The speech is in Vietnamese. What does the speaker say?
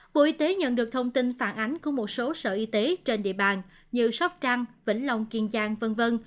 bộ y tế nhận được thông tin phản ánh của một số sở y tế trên địa bàn như sóc trăng vĩnh long kiên giang v v